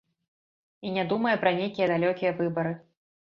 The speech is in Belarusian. І не думае пра нейкія далёкія выбары.